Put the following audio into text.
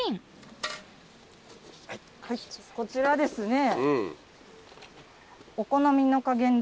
こちらですね。